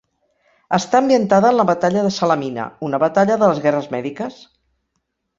Està ambientada en la Batalla de Salamina, una batalla de les Guerres Mèdiques.